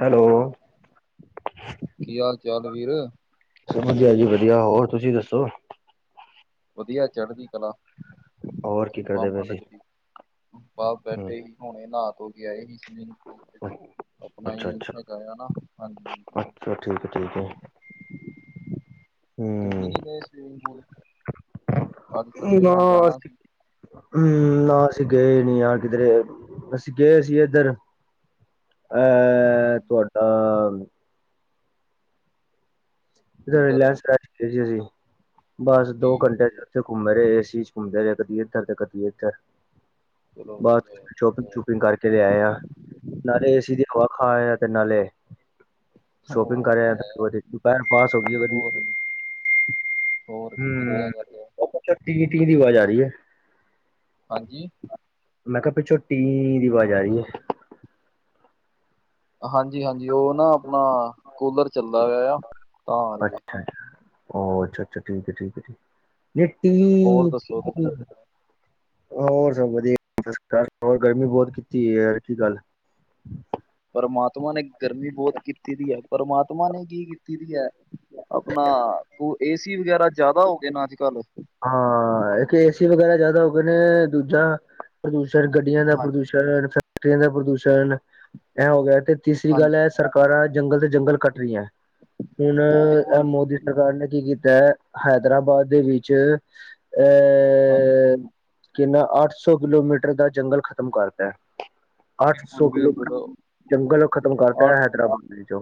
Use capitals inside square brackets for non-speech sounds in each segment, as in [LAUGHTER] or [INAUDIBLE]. Hello, ਕੀ ਹਾਲ ਚਾਲ ਵੀਰ ਵਧੀਆ ਜੀ ਵਧੀਆ, ਹੋਰ ਤੁਸੀਂ ਦੱਸੋ। ਵਧੀਆ, ਚੜ੍ਹਦੀ ਕਲਾ। ਹੋਰ ਕੀ ਕਰਦੇ ਵੈਸੀੇ ਬਾਰ ਬੈਠੇ ਹੀ। ਹੁਣੇ ਨਹਾ -ਤੋ ਕੇ ਆਏ ਹੀ ਸਵਮਿੰਗ ਪੂਲ ਤੇ ਆਪਣਾ ਅੱਛਾ ਅੱਛਾ ਹੀਗਾਾਗਾ ਨਾ ਹਾਂਜੀ ਅੱਛਾ ਠੀਕ ਹੈ ਠੀਕ ਹ ਹੈ [UNINTELLIGIBLE] ਤੁਸੀ ਹੂੰ ਨਹੀਂ ਗਏ ਸਵਿਮਿੰਗ ਪੂਲ ਅੱਜ ਸੰਡੇ ਨੀਡਾ ਹੀ ਜਾਣਾ ਹਮ। ਸੀ ਨਾਸੀਕ ਗਏ ਨੀ ਯਾਰ ਕਿਧਰੇ। ਅਸੀਂ ਗਏ ਸੀ ਇੱਧਰ ਅ- ਹਾਂਜੀ ਤੁਹਾਡਾ ਜ ਕਿੱਧਰ ਲ ਸੀ ਅਸੀਂ [UNINTELLIGIBLE] ਬਸ ਦੋ ਠੀਕ ਘੰਟੇ ਹੈ ਚ ਉੱਥੇ ਘੁੰਮਦੇ ਰਹੇ ਏਸੀ ਚ ਘੁੰਮਦੇ ਰਹੇ ਕਦੀ ਇੱਧਰ ਤੇ ਕਦੀ ਇੱਧਰ ਚਲੋ ਬਸ ਵਧੀਆ ਆ, ਸ਼ੋਪਿੰਗ- ਵਧੀਆ ਆ। ਸ਼ੂਪਿੰਗ ਕਰਕੇ ਲੈ ਆਇਆ। ਨਾਲੇ ਏਸੀ ਦੀ ਹਵਾ ਖਾਆ ਤੇ ਨਾਲੇ ਸ਼ੋਪਿੰਗ ਉਹ ਕਰ ਆਂਏ ਵਧੀਆ ਆ ਦੁਪਹਿਰ। ਪਾਸ ਹੋ ਗਈ ਵਧੀ ਹੋਰ ਹੋਰ ਕੀ ਵਧੀਆ ਹਮ। ਗੱਲ ਆ ਛਾ ਟੀ-ਟੀ ਦੀ ਆਵਾਜ਼ ਆ ਰਹੀ ਹੈ। ਹਾਂਜੀ। ਮੈਂ ਕਿਹਾ ਪਿੱਛੋ ਟੀ ਦੀ ਆਵਾਜ਼ ਆ ਰਹੀ ਹੈ। ਹਾਂਜੀ-ਹਾਂਜੀ ਉਹ ਨਾ ਆਪਣਾ ਕੂਲਰ ਚੱਲਦਾ ਗਿਆ ਆ। ਤਾਂ ਆ ਅੱਛਾ, ਰਹੀਏ। ਅੱਛਾ-ਅੱਛਾ ਠੀਕ ਹੈ ਠੀਕ-ਠੀਕ ਹੋਰ ਦੱਸੋ ਤੁਸੀਂ ਹੋਰ ਸਭ ਵਧੀਆ ਸਤ ਸ਼੍ਰੀ ਅਕਾਲ। ਹੋਰ ਗਰਮੀ ਬਹੁਤ ਕੀਤੀ। ਯਾਰ ਕੀ ਗੱਲ ਪਰਮਾਤਮਾ ਨੇ ਗਰਮੀ ਬਹੁਤ ਕੀਤੀ ਦੀ ਹੈ। ਪ੍ਰਮਾਤਮਾ ਨੇ ਕੀ ਕੀਤੀ ਦੀ ਹੈ। ਆਪਣਾ ਤ ਏ ਸੀ ਵਗੈਰਾ ਜ਼ਿਆਦਾ ਹੋ ਗਏ ਨਾ ਅੱਜ ਕੱਲ੍ਹ ਹਾਂ। ਇੱਕ ਏ ਸੀ ਵਗੈਰਾ ਜ਼ਿਆਦਾ ਹੋ ਗਏ ਨੇ। ਦੂਜਾ ਪ੍ਰਦੂਸ਼ਣ ਗੱਡੀਆਂ ਦਾ ਹਾਂਜੀ ਪ੍ਰਦੂਸ਼ਣ ਫਕਟਰੀਆਂ ਦਾ ਪ੍ਰਦੂਸ਼ਣ, ਇਹ ਹੋ ਗਿਆ ਤੇ ਤੀਸਰੀ ਗੱਲ ਹਾਂਜੀ ਹੈ। ਹਾਂਜੀ ਸਰਕਾਰਾਂ ਜੰਗਲ ਤੇ ਜੰਗਲ ਕੱਟ ਰਹੀਆਂ। ਹੁਣ, ਬਿਲਕੁਲ ਮੋਦੀ ਬਿਲਕੁਲ ਸਰਕਾਰ ਨੇ ਕੀ ਕੀਤਾ ਹੈ। ਹੈਦਰਾਬਾਦ ਦੇ ਵਿੱਚ ਚ ਹਾਂਜੀ। ਕਿੰਨਾ ਅੱਠ ਸੌ ਕਿਲੋਮੀਟਰ ਦਾ ਜੰਗਲ ਖ਼ਤਮ ਕਰਤਾ। ਅੱਠ ਬਿਲਕੁਲ ਸੌ ਬਿਲਕੁਲ ਕਿਲੋਮੀਟਰ ਜੰਗਲ ਖ਼ਤਮ ਕਰਤਾ ਅੱਠ ਹੈਦਰਾਬਾਦ ਵਿੱਚ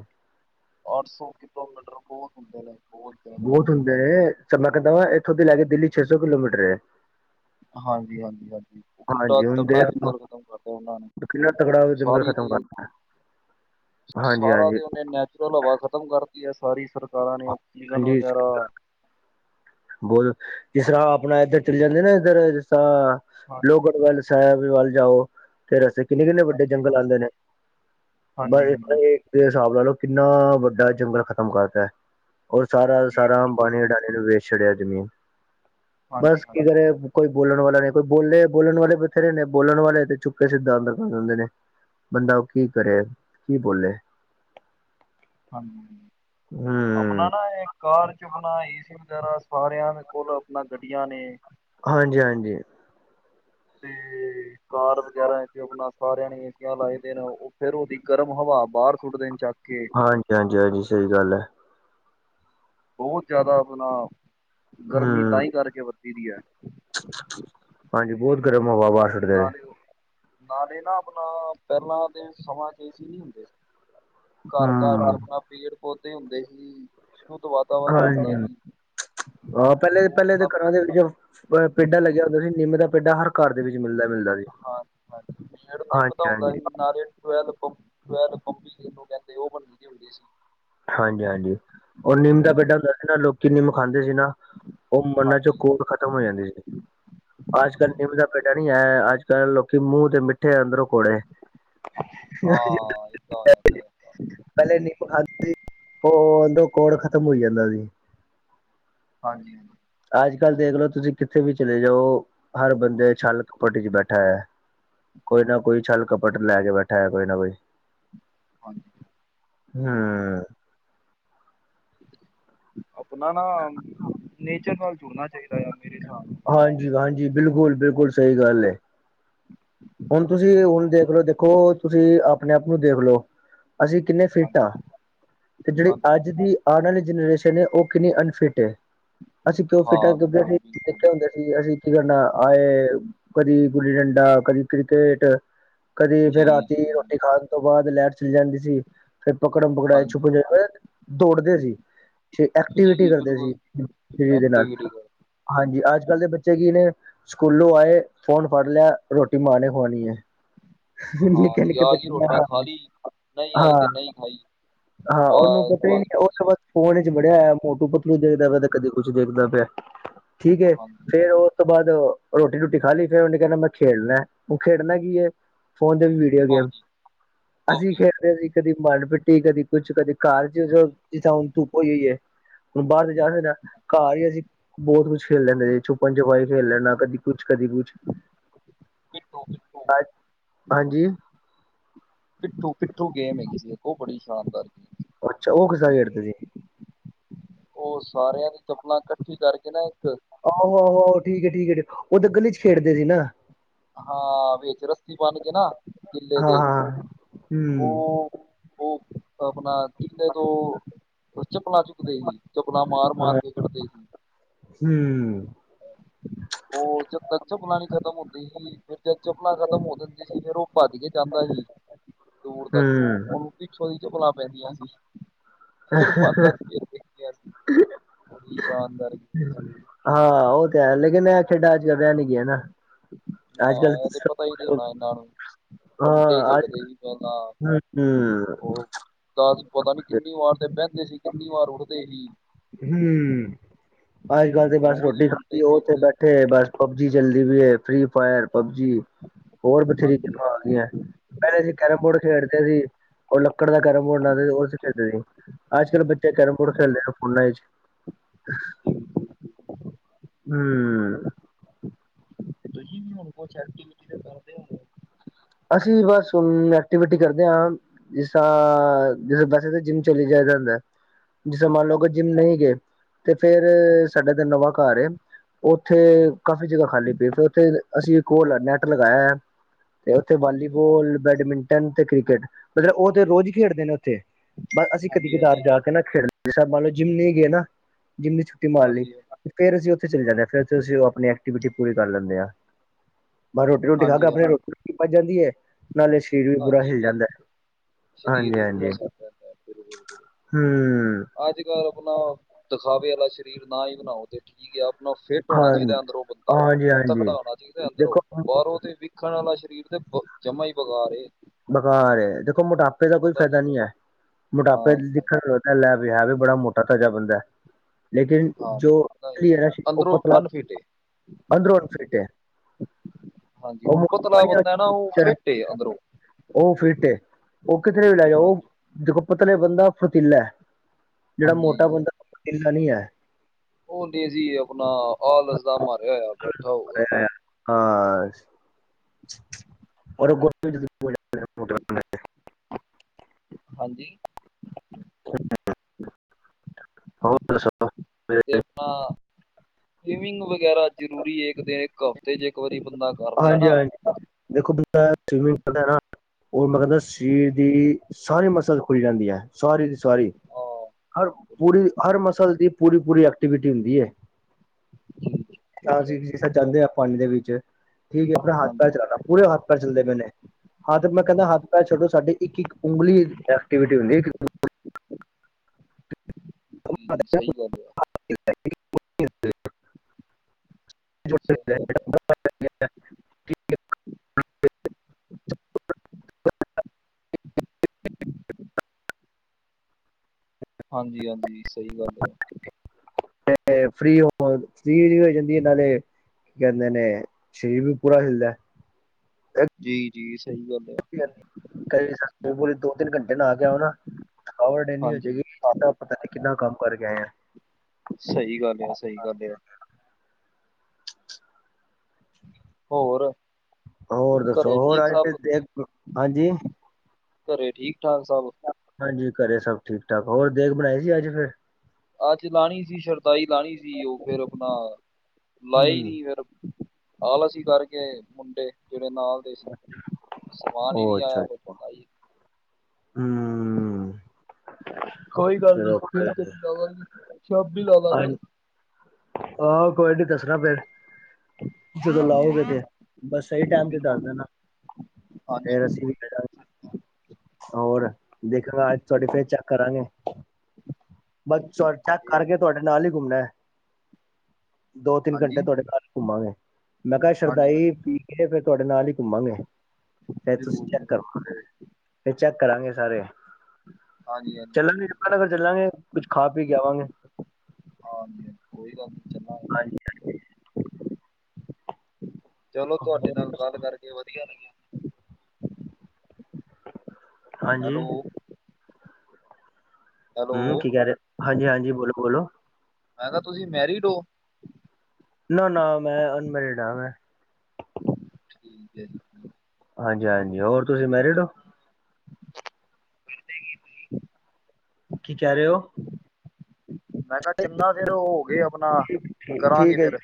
ਅੱਠ ਸੌ ਕਿਲੋਮੀਟਰ ਬਹੁਤ ਹੁੰਦੇ ਨੇ। ਬਹੁਤ ਜ਼ਿਆਦਾ ਬਹੁਤ ਹੁੰਦੇ ਨੇ। ਸਮਾਂ ਕੈਂਦਾ ਵਾਂ ਇੱਥੋਂ ਦੀ ਲੈਕੇ ਦਿੱਲੀ ਛੇ ਸੌ ਕਿਲੋਮੀਟਰ ਐ। [INAUDIBLE] ਹਾਂਜੀ ਹਾਂਜੀ ਹਾਂਜੀ, ਉਹ ਕਿੱਡਾ ਹਾਂਜੀ ਹੁਣ ਤਕੜਾ ਦੇਖ ਲਓ ਜੰਗਲ ਖ਼ਤਮ ਕਰਤਾ ਉਹਨਾਂ ਨੇ। ਕਿੰਨਾ ਤਗੜਾ ਜੰਗਲ ਸਾਰੀ ਖ਼ਤਮ ਤੇ ਕਰਤਾ ਹਾਂਜੀ ਸਾਰਾ ਹਾਂਜੀ ਤੇ ਉਹਨੇ ਨੈਚੁਰਲ ਹਵਾ ਖਤਮ ਕਰਤੀ ਐ, ਸਾਰੀ ਸਰ ਹਾਂਜੀ। ਬੋਲ, ਜਿਸਰ੍ਹਾਂ ਆਪ ਣਾ ਇੱਧਰ ਚਲ ਜਾਂਦੇ ਨਾ ਇੱਧਰ, ਜਿਸ ਤਰ੍ਹਾਂ ਹਾਂਜੀ ਲੋਹਗੜ ਵੱਲ ਸਾਹਿਬ ਵੱਲ ਜਾਓ, ਫਿਰ ਅਸੀਂ ਕਿੰਨੇ ਕਿੰਨੇ ਵੱਡੇ ਹਾਂਜੀ ਜੰਗਲ ਹਾਂਜੀ ਆਂਦੇ ਨੇ। ਹਾਂਜੀ ਹਾਂਜੀ ਹਾਂਜੀ ਨਾਲੇ [UNINTELLIGIBLE] ਸਾਬ ਲਾ ਲੋ, ਕਿੰਨਾ ਵੱਡਾ ਜੰਗਲ ਖ਼ਤਮ ਕਰਤਾ ਐ। ਔਰ ਸਾਰਾ ਦ ਜੀ ਸਾਰਾ ਬਿਲਕੁਲ ਅੰਬਾਣੀ ਬਿਲਕੁਲ। ਅਡਾਣੀ ਨੂੰ ਵੇਚ ਛਡਿਆ ਜ਼ਮੀਨ। ਹਾਂਜੀ ਬਸ ਕੀ ਹਾਂਜੀ ਕਰੇ, ਕੋਈ ਬੋਲਣ ਵਾਲਾ ਨੀ ਕੋਈ, ਬੋਲੇ ਬੋਲਣ ਵਾਲੇ ਬਥੇਰੇ ਨੇ। ਬੋਲਣ ਵਾਲੇ ਤੇ ਚੁੱਪ ਕੇ ਸਿੱਧਾਂ ਅੰਦਰ ਕਰ ਦਿੰਦੇ ਨੇ। ਬੰਦਾ ਉਹ ਕੀ ਕਰੇ, ਕੀ ਬੋਲੇ ਹਾਂਜੀ ਹਾਂਜੀ। ਆਪਣਾ ਹੂੰ ਨਾ ਏ ਘਰ ਆਪਣਾ ਏ ਸੀ ਵਗੈਰਾ, ਸਾਰਿਆਂ ਦੇ ਕੋਲ ਆਪਣਾ ਗੱਡੀਆਂ ਨੇ ਹਾਂਜੀ ਹਾਂਜੀ। ਤੇ ਕਾਰ ਵਗੈਰਾ, ਇਥੇ ਅਪਣਾ ਸਾਰਿਆ ਨੇ ਏਸੀਆਂ ਲਾਏ ਦੇ ਨੇ। ਉਹ ਫੇਰ ਓਦੀ ਗਰਮ ਹਵਾ ਬਾਰ ਸੁੱਟਦੇ ਨੇ ਚੱਕ ਕ ਹਾਂਜੀ ਹਾਂਜੀ ਹਾਂਜੀ ਸਹੀ ਗੱਲ ਐ। ਬਹੁਤ ਜ਼ਿਆਦਾ ਆਪਣਾ ਗਰਮੀ ਹੂੰ ਤਾਂ ਈ ਕਰਕੇ ਵੱਧੀ ਦੀ ਐ। ਹਾਂਜੀ, ਬਹੁਤ ਗਰਮ ਹਵਾ ਬਾਰ ਸੁੱਟਦੇ ਨੇ। ਨਾਲੇ ਨਾ ਆਪਣਾ ਪਹਿਲਾਂ ਤੇ ਸਮਾਂ ਚ ਏ ਸੀ ਨੀ ਹੁੰਦੇ ਸੀ। ਘਰ ਘਰ ਹੂੰ ਚ ਆਪਣਾ ਪੇੜ ਪੌਦੇ ਹੁੰਦੇ ਸੀ। ਸ਼ੁੱਧ ਵਾਤਾਵਰਨ ਹਾਂਜੀ ਹੁੰਦਾ ਸੀ। ਹਾਂ ਪਹਿਲੇ ਉਹ ਪਹਿਲੇ ਦੇ ਆਪਣਾ ਘਰਾਂ ਦੇ ਵਿੱਚ ਪੇਡਾ ਲੱਗਿਆ ਹੁੰਦਾ ਸੀ ਨਿੰਮ ਦਾ। ਪੇਡਾ ਹਰ ਘਰ ਦੇ ਵਿੱਚ ਮਿਲਦਾ ਮਿਲਦਾ ਸੀ। ਹਾਂ ਹਾਂਜੀ ਪੇੜ ਨਿੰਮ ਦਾ ਹਾਂਜੀ ਹੁੰਦਾ ਹਾਂਜੀ ਹੀ, ਨਾਲੇ ਟਵੈਲ ਪੰਪ ਟਵੈਲ, ਬੰਬੀ ਜਿਨੂੰ ਕਹਿੰਦੇ ਨੇ, ਉਹ ਬਣੀਦੀ ਹੁੰਦੀ ਸੀ। ਹਾਂਜੀ ਕੀ ਨਿੰਮ ਖਾਂਦੇ ਸੀ ਨਾ, ਉਹ ਮਨਾਂ ਚ ਹਾਂਜੀ ਕੋੜ ਖਤਮ ਹੋ ਜਾਂਦੀ ਸੀ। ਅੱਜ ਕੱਲ ਬਿਲਕੁਲ ਨਿੰਮ ਦਾ ਪੇਡਾ ਨੀ ਐ, ਅੱਜ ਕੱਲ ਲੋਕੀ ਮੂੰਹ ਦੇ ਮਿੱਠ ਠੇ ਅੰਦਰੋਂ ਕੋੜੇ। ਹਾਂ ਏਦਾਂ ਹੋਇਆ ਪਿਆ ਏਦਾਂ ਪਹਿਲੇ ਨਿੰਮ ਖਾਂਦ ਓਹ ਅੰਦਰੋਂ ਕੋੜ ਖ਼ਤਮ ਹੋਈ ਜਾਂਦਾ ਸੀ। ਹਾਂਜੀ ਜੀ। ਅੱਜ ਕੱਲ ਦੇਖ ਲਓ ਤੁਸੀਂ ਕਿੱਥੇ ਵੀ ਚਲੇ, ਜਓ ਹਰ ਬੰਦੇ ਛੱਲ ਕਪਟ ਇੱਚ ਬੈਠਾ ਐ। ਕੋਈ ਨਾ ਕੋਈ ਛੱਲ ਕੱਪਟ ਲੈ ਕੇ ਬੈਠਾ ਐ ਕੋਈ ਨਾ ਕੋਈ। ਹਾਂਜੀ। ਹਮ। ਆਪਣਾ ਨਾ ਨੇਚਰ ਨਾਲ ਜੁੜਨਾ ਚਾਹੀਦਾ ਆ। ਮੇਰੇ ਹਿਸਾਬ ਨਾਲ ਤੇ ਅੱਜ ਦੇ ਹਾਂਜੀ ਸਮੇਂ ਹਾਂਜੀ, ਵਿੱਚ ਸਾਰਿਆਂ ਬਿਲਕੁਲ ਬਿਲਕੁਲ, ਸਹੀ ਗੱਲ ਐ। ਹੁਣ ਤੁਸੀਂ ਨੂੰ ਹੁਣ ਦੇਖ ਲੋ, ਦੇਖੋ ਤੁਸੀਂ ਆਪਣੇ ਆਪ ਨੂੰ ਦੇਖ ਲਓ ਅਸੀਂ ਕਿੰਨੇ ਫਿਟ ਆਂ। ਹਾਂਜੀ ਤੇ ਜਿਹੜੀ ਅੱਜ ਹਾਂਜੀ ਦੀ ਆਉਣ ਵਾਲੀ ਜਨਰੇਸ਼ਨ ਨੇ ਉਹ ਕਿੰਨੀ ਅਨਫਿਟ ਏ। ਅਸੀਂ ਕਿਉਂ ਫਿਟ ਹਾਂ, ਕਿਉਂਕਿ ਬਿਲਕੁਲ ਅਸੀਂ ਬਿਲਕੁਲ ਨਿੱਕੇ ਹੁੰਦੇ ਸੀ, ਅਸੀਂ ਕੀ ਕਰਨਾ ਆਏ, ਕਦੀ ਗੁੱਲੀ ਡੰਡਾ, ਕਦੀ ਕ੍ਰਿਕੇਟ ਕਦੇ ਫੇਰ ਜੀ ਰਾਤੀ ਜੀ ਰੋਟੀ ਖਾਣ ਤੋਂ ਬਾਅਦ ਲੈਟ ਚਲੀ ਜਾਂਦੀ ਸੀ, ਫਿਰ ਪਕੜਨ ਪਕੜਾਈ, ਹਾਂਜੀ ਛੁਪਨ, ਦੌੜਦੇ ਸੀ। ਛ ਜੀ ਐਕਟੀਵਿਟੀ ਜੀ ਕਰਦੇ ਸੀ। ਬਿਲਕੁਲ ਸਰੀਰ ਦੇ ਨਾਲ, ਐਕਟੀਵਿਟੀ ਕਰ ਹਾਂਜੀ, ਅੱਜ ਕੱਲ੍ਹ ਦੇ ਬੱਚੇ ਕੀ ਨੇ ਸਕੂਲੋਂ ਆਏ ਫੋਨ ਫੜ ਲਿਆ, ਰੋਟੀ ਮਾਂ ਨੇ ਖੁਆਣੀ ਐ। ਹਾਂ ਨਿੱਕੇ ਜੀ ਨਿੱਕੇ ਆ ਬੱਚੇ, ਗਈ ਰੋਟੀ ਖਾ [UNINTELLIGIBLE] ਲਈ ਨਹੀਂ ਆਈ ਤੇ ਹਾਂ। ਨਹੀਂ ਖਾਈ ਹਾਂ, ਉਹਨੂੰ ਬਸ ਪਤਾ ਈ ਨੀ, ਬਸ ਉਹ ਤਾਂ ਬਸ ਫੋਨ ਇਚ ਵੜਿਆ ਹੋਇਆ, ਮੋਟੂ ਪਤਲੂ ਦੇਖਦਾ ਪਿਆ ਤੇ ਕਦੇ ਕੁਛ ਦੇਖਦਾ ਪਿਆ, ਠੀਕ ਏ ਹਾਂਜੀ ਫੇਰ ਓਹ ਤੋਂ ਬਾਅਦ ਜਦੋਂ ਰੋਟੀ ਰੋਟੀ ਖਾ ਲਈ, ਫਿਰ ਉਹਨੇ ਕਹਿਣਾ, ਮੈਂ ਖੇਡਣਾ ਓਹ ਖੇਡਣਾ ਕੀ ਐ ਫੋਨ ਤੇ ਵੀ ਵੀਡੀਓ ਗੇਮ ਪਬਜੀ ਅਸੀਂ ਪਬਜੀ ਖੇਡਦੇ ਸੀ ਕਦੀ ਮਡ ਪਿੱਟੀ ਕਦੀ। ਕੁਛ ਕਦੇ ਕਾਰਜ ਜਾ ਹ ਧੁਪ ਹੋਈਏ। ਹੁਣ ਬਾਹਰ ਤੇ ਜਾ ਕੇ ਨਾ ਘਰ ਹੀ ਅਸੀਂ ਬਹੁਤ ਕੁੱਛ ਖੇਡ ਲੈਂਦੇ ਛੱਪਣ ਛੁਪਾਈ ਖੇਡ ਲੈਣਾ ਕਦੀ ਕੁਛ। ਕਦੀ ਕੁਝ। [UNINTELLIGIBLE] ਪਿੱਠੂ ਅ ਹਾਂਜੀ। ਪਿੱਠੂ ਪਿੱਠੂ ਗੇਮ ਅ ਹੈਗੀ ਸੀ ਉਹ ਬੜੀ ਸ਼ਾਨਦਾਰ ਸੀ। ਅੱਛਾ ਉਹ ਕਿਸਾ ਖੇਡਦੇ ਸੀ। ਉਹ ਸਾਰਿਆਂ ਦੀ ਚੱਪਲਾਂ ਇਕੱਠੀ ਕਰਕੇ ਨਾ। ਇੱਕ ਆਹੋ ਆਹੋ ਆਹੋ ਠੀਕ ਹੈ ਠੀਕ ਉਹ ਤਾਂ ਗਲੀ ਚ ਖੇਡਦੇ ਸੀ ਨਾ। ਹਾਂ ਵਿੱਚ ਰੱਸੀ ਬਣ ਗਏ ਨਾ ਕਿਲੇ ਤੇ। ਹਮ। ਆਪਣਾ ਕਿਤੇ ਤੋਂ ਚਪਲਾਂ ਚੁੱਕਦੇ ਸੀ। ਚਪਲਾਂ ਮਾਰ ਮਾਰ ਹਾਂ ਕੇ ਕਢਦੇ ਸੀ। ਹੂੰ ਉਹ ਜਦ ਤੱਕ। ਚੱਪਲਾਂ ਨੀ ਖਤਮ ਹੁੰਦੀ ਸੀ ਫਿਰ ਜਦ ਚੱਪਲਾਂ ਖਤਮ ਹੋ ਜਾਂਦੀ ਸੀ ਫਿਰ ਉਹ। ਭੱਜ ਕੇ ਜਾਂਦਾ ਸੀ ਦੂਰ ਤੱਕ ਹੂੰ ਉਹਨੂੰ ਪਿੱਛੋਂ ਦੀ ਚੱਪਲਾਂ ਪੈਂਦੀਆਂ ਸੀ। ਫਿਰ ਫਤਾਖ। ਸੀ ਹਾਂ ਉਹ ਤੇ ਹੈ ਲੇਕਿਨ। ਖੇਡਾ ਅੱਜ ਕ ਵਿਆਹ ਨੀ ਗਿਆ ਨਾ। ਨਾ ਉਹ ਤੇ ਪਤਾ ਹੀ ਨਹੀਂ ਹੋਣਾ ਇਹਨਾਂ ਨੂੰ। ਵੰਟੇ ਖੇਡਦੇ ਸੀ ਪਹਿਲਾਂ ਉਹ ਦਸ। ਪਤਾ ਨੀ ਕਿੰਨੀ ਵਾਰ ਤੇ ਬਹਿੰਦੇ ਸੀ ਕਿੰਨੀ ਵਾਰ ਉੱਠਦੇ ਸੀ। ਹਮ। ਅੱਜ ਕੱਲ ਤੇ ਬਸ ਰੋਜ਼ ਹੀ ਰੋਟੀ ਬੰਟੇ ਖਾਦੀ ਉਹ ਉਥੇ ਖੇਡਦੇ ਬੈਠੇ ਬਸ ਪਬਜੀ। ਚਲਦੀ ਵੀ ਹੈ ਫਰੀ ਫਾਇਰ ਪਬਜੀ ਹੋਰ ਬਥੇਰੀਆਂ ਹਾਂਜੀ ਗੇਮਾਂ ਆ ਗਈਆਂ ਪਹਿਲੇ। ਕੈਰਮ ਬੋਰਡ ਖੇਡਦੇ ਸੀ ਉਹ ਲੱਕੜ ਦਾ ਕੈਰਮ ਬੋਰਡ ਲੈਂਦੇ ਸੀ ਉਹ ਖੇਡਦੇ ਸੀ। ਅੱਜ ਕੱਲ ਬੱਚੇ ਕੈਰਮ ਬੋਰਡ ਹਾਂਜੀ ਖੇਲਦੇ ਨੇ। ਹਾਂਜੀ ਹਮ। ਤੇ ਤੁਸੀਂ ਹੁਣ ਕੁਛਕ ਕਰਦੇ ਹੋ। ਅਸੀਂ ਬਸ ਐਕਟੀਵਿਟੀ ਕਰਦੇ ਹਾਂ ਜ ਤਾਂ ਵੈਸੇ ਤਾਂ ਜਿੰਮ ਚਲੀ ਜਾ ਜਾਂਦਾ ਜਿਸੇ ਮੰਨ ਲਓ ਕਿ ਹਾਂਜੀ ਜਿੰਮ ਨਹੀਂ ਗਏ। ਤੇ ਫੇਰ ਸਾਡੇ ਤਿੰਨ ਨਵਾਂ ਘਰ ਏ। ਉੱਥੇ ਕਾਫ਼ੀ ਜਗ੍ਹਾ ਖਾਲੀ ਪਈ ਫੇਰ ਉੱਥੇ ਅਸੀਂ ਇਕ ਹੋਰ ਨੈੱਟ ਲਗਾਇਆ ਹੈ। ਤੇ ਉੱਥੇ ਹਾਂਜੀ ਵਾਲੀਬਾਲ ਬੈਡਮਿੰਟਨ ਤੇ ਕ੍ਰਿਕਟ ਮਤਲਬ ਉਹ ਤੇ ਰੋਜ਼ ਖੇਡਦੇ ਨੇ। ਬਸ ਅਸੀਂ ਕਦੀ ਹਾਂਜੀ ਹਾਂਜੀ ਕਦਾਰ ਜਾ ਕੇ ਨਾ ਖੇਡ ਲ ਮੰਨ ਲਓ ਜਿੰਮ ਨਹੀਂ ਗਏ ਨਾ। ਜਿੰਮ ਦੀ ਛੁੱਟੀ ਮਾਰ ਲਈ ਹਾਂਜੀ ਫ਼ੇਰ ਅਸੀਂ। ਉਥੇ ਚਲੇ ਜਾਂਦੇ ਆ ਫਿਰ ਉਥੇ ਅਸੀਂ ਆਪਣੀ ਐਕਟੀਵਿਟੀ ਪੂਰੀ ਕਰ ਲੈਂਦੇ ਹਾਂ ਬਸ ਰੋਟੀ ਰੋਟੀ ਖਾ ਕੇ ਹਾਂਜੀ ਹਾਂਜੀ ਆਪਣੇ ਰੋ। ਭੱਜ ਜਾਂਦੀ ਹੈ ਨਾਲੇ ਸਰੀਰ ਵੀ ਬੁਰਾ ਹਾਂਜੀ ਹਿਲ ਬਿਲਕੁਲ ਜਾਂਦਾ ਹੈ। ਸਰੀਰ ਹਾਂਜੀ ਵੀ ਪੂਰਾ ਹਾਂਜੀ ਸੀ ਰਹਿੰਦਾ ਹਮ ਅੱਜ ਕੱਲ ਆਪਣਾ। ਖਾਵੇ ਵਾਲਾ ਸਰੀਰ ਨਾ ਹੀ ਬਣਾਓ ਤੇ ਠੀਕ ਆ ਆਪ। ਆਪ ਫਿੱਟ ਹੋਣਾ ਹਾਂ ਚਾਹੀਦਾ ਅੰਦਰੋਂ ਬੰਦਾ ਹਾਂਜੀ ਹਾਂਜੀ ਤਕੜਾ ਹੋਣਾ ਚਾਹੀਦਾ ਅੰਦਰੋਂ ਦੇਖੋ ਬਾਹਰੋਂ ਤੇ ਵੇਖਣ ਵਾਲਾ ਸਰੀਰ। ਜੰਮਈ ਬਗਾਰੇ। ਬੇਕਾਰ ਦੇਖੋ ਮੋਟਾਪੇ ਦਾ ਕੋਈ ਪਤਾ ਨੀ ਫਾਇਦਾ ਨਹੀਂ ਹੈ ਮੋਟਾਪੇ ਹਾਂਜੀ ਦੇਖਣ ਤਾਂ ਲੈਬ। ਹੈ ਵੀ ਬੜਾ ਮੋਟਾ ਤਾਜਾ ਬੰਦਾ। ਲੇਕਿਨ ਹਾਂਜੀ ਨਹੀਂ ਉਹ ਜੋਸ਼ ਅੰਦਰੋਂ ਪਤਲਾ ਅਨਫਿਟ ਏ ਅੰਦਰੋ ਫਿਟ ਹੈ। ਹਾਂਜੀ ਉਹ ਹੁਣ ਮੋਟਾਪਾ ਪਤਲਾ ਨਹੀਂ ਬੰਦਾ ਨਾ ਉਹ ਚਰ ਫਿਟੇ ਅੰਦਰੋਂ ਉਹ ਫਿਟ ਉਹ ਕਿਥੇ ਵੀ ਲੈ ਜਾ ਉਹ ਹਾਂਜੀ ਦੇਖੋ ਪਤਲੇ ਬੰਦਾ ਫਤੀਲਾ। ਜਿਹੜਾ ਹਾਂਜੀ ਮੋਟਾ ਯਾਰ, ਬੰਦਾ ਫੁਰਤੀਲਾ ਨਹੀਂ ਹੈ। ਉਹ ਨਹੀਂ ਸੀ ਆਪਣਾ ਆਲਸ ਦਾ ਮਾਰਿਆ ਹੋਇਆ ਬੈਠਾ ਹੋਊਗਾ। ਹਾਂ, [UNINTELLIGIBLE] ਹਾਂਜੀ, [UNINTELLIGIBLE] ਹੋਰ ਦੱਸੋ ਤੇ ਆਪਣਾ ਸਵੀਮਿੰਗ ਵਗੈਰਾ ਜ਼ਰੂਰੀ ਹੈ। ਇੱਕ ਦਿਨ ਇੱਕ ਹਫ਼ਤੇ ਚ ਇੱਕ ਵਾਰੀ, ਕਰਦੇ ਹਾਂਜੀ ਹਨਾ, ਹਾਂਜੀ ਦੇਖੋ ਵੀ ਸਵਿਮਿੰਗ ਕਰਦਾ ਨਾ, ਉਹ ਮੈਂ ਕਹਿੰਦਾ ਦਾ ਸੀ ਡੀ ਸਾਰੀ ਮਸਲ ਖੁੱਲੀ ਜਾਂਦੀ ਹੈ। ਸਾਰੀ ਦੀ ਸਾਰੀ ਹਾਂ ਹਰ ਪੂਰੀ ਹਰ ਮਸਲ ਦੀ ਪੂਰੀ-ਪੂਰੀ ਐਕਟੀਵਿਟੀ ਹੁੰਦੀ ਐ, ਹਾਂਜੀ, ਜਿਸ ਤਰ ਜਾਂਦੇ ਆ ਪਾਣੀ ਦੇ ਵਿੱਚ ਠੀਕ ਹੈ ਆਪਣਾ ਹੱਥ ਪੈ ਹਾਂਜੀ ਚਲਾਣਾ ਪੂਰੇ ਹੱਥ ਪੈ ਨੇ, ਹੱਥ ਮੈਂ ਕਹਿੰਦਾ, ਹਾਂਜੀ ਹੱਥ ਪੈ ਛੱਡੋ ਸਾਡੇ ਇੱਕ-ਇੱਕ ਉਂਗਲੀ ਐਕਟੀਵਿਟੀ ਹੁੰਦੀ। ਜੀ, ਸਹੀ ਗੱਲ ਆ [UNINTELLIGIBLE] ਸਹੀ ਗੱਲ ਆ [UNINTELLIGIBLE] ਹਾਂਜੀ-ਹਾਂਜੀ, ਸਹੀ ਗੱਲ ਹੈ। ਤੇ ਫਰੀ ਹੋ ਫਰੀ ਵੀ ਹੋ ਜਾਂਦੀ ਨਾਲੇ, ਕੀ ਕਹਿੰਦੇ ਨੇ ਸਰੀਰ ਵੀ ਪੂਰਾ ਹਿੱਲਦਾ। ਜੀ ਜੀ, ਸਹੀ ਆ ਗੱਲ ਕਈ ਪੁਰੇ ਦੋ ਤਿੰਨ ਘੰਟੇ ਲਾ ਕੇ ਆਓ ਨਾ, ਖਵਰ ਡਨੀ ਹੋ ਹਾਂਜੀ ਜਾਏਗੀ, ਸਾ ਪਤਾ ਨਹੀਂ ਕਿੰਨਾ ਕੰਮ ਕਰਕੇ ਆਏ। ਸਹੀ ਗੱਲ ਆ, ਸਹੀ ਗੱਲ ਆ। ਹੋਰ? ਹੋਰ ਦੱਸੋ? ਘਰੇ ਹੋਰ ਠੀਕ ਅੱਜ ਸਭ ਫੇਰ ਹਾਂਜੀ, ਘਰੇ ਠੀਕ-ਠਾਕ ਸਭ? ਹਾਂਜੀ ਘਰੇ ਸਭ ਠੀਕ-ਠਾਕ, ਹੋਰ ਦੇਗ ਬਣਾਈ ਸੀ ਅੱਜ ਫੇਰ? ਅੱਜ ਲਾਣੀ ਸੀ ਸ਼ਰਤਾਈ ਲਾਣੀ ਸੀ, ਉਹ ਫੇਰ ਆਪਣਾ ਲਾਈ ਹੂੰ ਨੀ ਫੇਰ ਆਲਸੀ ਕਰਕੇ ਮੁੰਡੇ ਜ ਨਾਲ ਦੇ ਸੀ ਸਮਾਨ ਹੀ ਉਹ ਨੀ ਆਇਆ ਅੱਛਾ ਹੋ ਅੱਛਾ ਹੂੰ, ਕੋਈ ਗੱਲ ਨੀ, ਚਲੋ ਫਿਰ ਫੇਨ ਕਦੀ ਲਾਵਾਂਗੇ ਸ਼ਬ ਵੀ ਲਾ ਲਾਂਗੇ। ਆਹੋ ਕੋਈ ਨੀ ਦੱਸਣਾ ਫੇਰ, ਜਦੋਂ ਹਾਂਜੀ ਲਓਗੇ, ਹਾਂਜੀ ਤੇ ਬਸ ਸਹੀ ਟਾਈਮ ਤੇ ਦੱਸ ਬਿਲਕੁਲ ਦੇ ਬਿਲਕੁਲ। ਨਾ ਹਾਂਜੀ ਫੇਰ ਅਸੀਂ ਬਿਲਕੁਲ ਵੀ ਬ ਹੋਰ ਦੇਖਾਂਗਾ, ਅੱਜ ਤੁਹਾਡੇ ਫਿਰ ਚੈੱਕ ਕਰਾਂਗੇ। ਬਸ ਚ ਚੈੱਕ ਇਹ ਕਰਕੇ, ਤੁਹਾਡੇ ਨਾਲ ਹੀ ਘੁੰਮਣਾ ਹੈ ਦੋ ਤਿੰਨ ਘੰਟੇ ਹਾਂਜੀ ਤੁਹਾਡੇ ਨਾਲ ਘੁੰਮਾਂਗੇ। ਮੈਂ ਕਿਹਾ ਹਾਂਜੀ ਸ਼ਰਦਾਈ ਹਾਂਜੀ ਪੀ ਕੇ ਫਿਰ ਤੁਹਾਡੇ ਨਾਲ ਹੀ ਘੁੰਮਾਂਗੇ। ਫੇਰ ਤੁਸੀਂ ਬਿਲਕੁਲ ਚੈੱਕ ਬਿਲਕੁਲ ਕਰਗੇ, ਕੋਈ ਫੇਰ ਚੈੱਕ ਕਰਾਂਗੇ ਸਾਰੇ। ਹਾਂਜੀ ਹਾਂਜੀ ਚੱਲਾਂਗੇ ਹਾਂਜੀ ਚਕਾਨ ਅਗਰ ਚੱਲਾਂਗੇ, ਕੁਛ ਖਾ ਪੀ ਕੇ ਆਵਾਂਗੇ। ਹਾਂਜੀ-ਹਾਂਜੀ, ਕੋਈ ਗੱਲ ਨੀ ਚੱਲ ਹਾਂਜੀ-ਹਾਂਜੀ, ਚਲੋ, ਤੁਹਾਡੇ ਹਾਂਜੀ ਨਾਲ ਗੱਲ ਕਰਕੇ ਵਧੀਆ ਲੱਗਿਆ। ਹਾਂਜੀ ਹੈਲੋ, ਹੈਲੋ ਹੂੰ ਕੀ ਕਹਿ ਰਹੇ, ਹਾਂਜੀ-ਹਾਂਜੀ ਬੋਲੋ-ਬੋਲੋ ਮੈਂ ਕਿਹਾ ਤੁਸੀਂ ਮੈਰੀਡ ਹੋ? ਨਾ-ਨਾ ਮੈਂ ਅਨਮੈਰੀਡ ਆ ਮੈਂ, ਠੀਕ ਏ ਜ ਹਾਂਜੀ-ਹਾਂਜੀ, ਹੋਰ ਤੁਸੀਂ ਮੈਰਿਡ ਹੋ? ਕੀ ਕਹਿ ਰਹੇ ਔ? ਮੈਂ ਕਿਹਾ ਚਿੰਨਾ ਫੇਿਰ ਹੋ ਗਏ ਆਪਣਾ ਠੀਕ ਕਰਾਂਗੇ ਠੀਕ ਹੈ ਫੇਿਰ